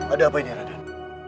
ada apa ini raden